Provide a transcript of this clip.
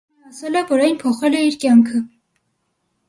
Նա ասել է, որ այն փոխել է իր կյանքը։